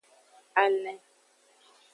Alen.